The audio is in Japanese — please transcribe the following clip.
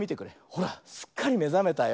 ほらすっかりめざめたよ。